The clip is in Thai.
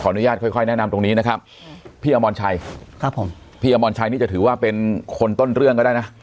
อนุญาตค่อยแนะนำตรงนี้นะครับพี่อมรชัยครับผมพี่อมรชัยนี่จะถือว่าเป็นคนต้นเรื่องก็ได้นะ